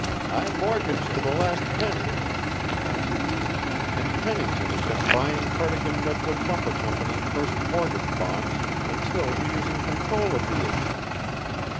"I'm mortgaged to the last penny," he confessed, "and Pennington has been buying Cardigan Redwood Lumber Company first mortgage bonds until he is in control of the issue.